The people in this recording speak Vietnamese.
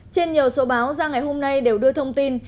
trên nhiều số báo ra ngày hôm nay đều đưa thông tin